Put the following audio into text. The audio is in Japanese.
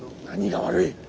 何が悪い。